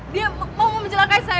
dia mau mencelakai saya